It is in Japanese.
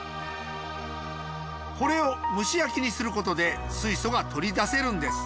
これを蒸し焼きにすることで水素が取り出せるんです。